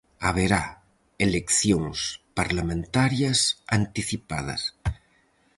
Haberá eleccións parlamentarias anticipadas.